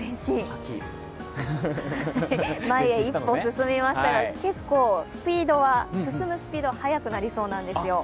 前へ一歩、進みましたが結構進むスピードは早くなりそうなんですよ。